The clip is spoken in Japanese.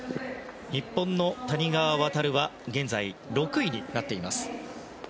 日本の谷川航は現在６位になっています。